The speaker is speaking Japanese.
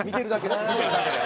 見てるだけで？